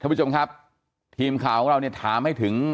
ผู้ชมครับทีมข่าวของเราเนี่ยถามให้ถึง